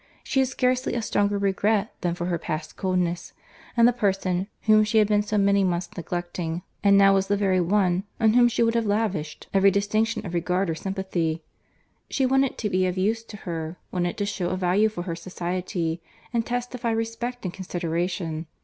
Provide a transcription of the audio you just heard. She had scarcely a stronger regret than for her past coldness; and the person, whom she had been so many months neglecting, was now the very one on whom she would have lavished every distinction of regard or sympathy. She wanted to be of use to her; wanted to shew a value for her society, and testify respect and consideration.